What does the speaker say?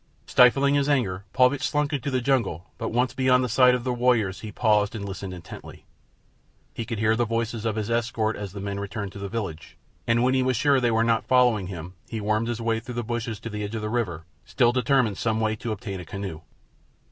Stifling his anger, Paulvitch slunk into the jungle; but once beyond the sight of the warriors he paused and listened intently. He could hear the voices of his escort as the men returned to the village, and when he was sure that they were not following him he wormed his way through the bushes to the edge of the river, still determined some way to obtain a canoe.